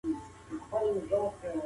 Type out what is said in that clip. د بدن هر غړی خپله وظيفه لري.